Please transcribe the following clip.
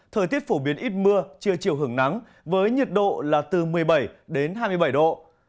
thời tiết phổ biến ít mưa trưa chiều hưởng nắng với nhiệt độ là từ một mươi bảy đến hai mươi bảy độ